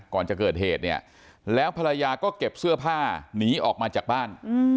ก่อนจะเกิดเหตุเนี่ยแล้วภรรยาก็เก็บเสื้อผ้าหนีออกมาจากบ้าน